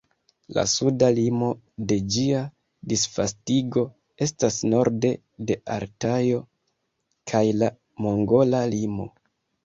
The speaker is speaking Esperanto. La suda limo de ĝia disvastigo estas norde de Altajo kaj la mongola limo.